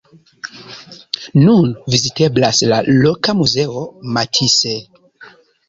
Nun viziteblas la loka muzeo Matisse.